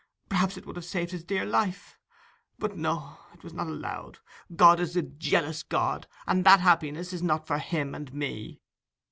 Perhaps it would have saved his dear life! ... But no—it was not allowed! God is a jealous God; and that happiness was not for him and me!